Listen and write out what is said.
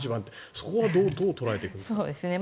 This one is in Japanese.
そこはどう捉えてるんですか？